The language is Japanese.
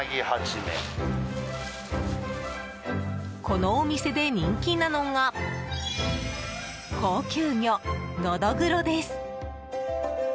このお店で人気なのが高級魚、ノドグロです。